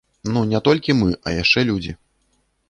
Ну, не толькі мы, а яшчэ людзі.